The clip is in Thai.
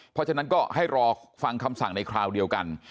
เพราะฉะนั้นก็ให้รอฟังคำสั่งในคราวเดียวกัน